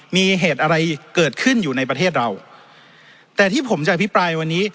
มีเหตุอะไรเกิดขึ้นอยู่ในประเทศเราแต่ที่ผมจะอภิปรายวันนี้